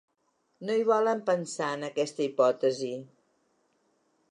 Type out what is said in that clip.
No hi volen pensar, en aquesta hipòtesi.